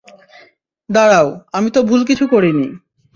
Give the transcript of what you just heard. দাঁড়াও, আমি তো ভুল কিছু করিনি।